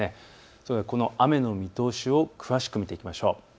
それではこの雨の見通しを詳しく見ていきましょう。